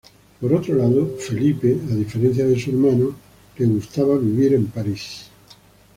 Por otro lado, Felipe, a diferencia de su hermano, gustaba de vivir en París.